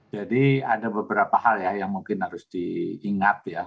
jadi ada beberapa hal ya yang mungkin harus diingat ya